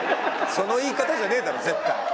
その言い方じゃねえだろ絶対。